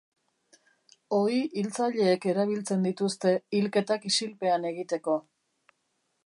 Ohi hiltzaileek erabiltzen dituzte hilketak isilpean egiteko.